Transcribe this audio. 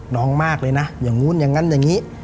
น้องมากเลยนะอย่างนู้นอย่างนั้นอย่างนี้